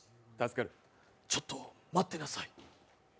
ちょっと待ってなさい。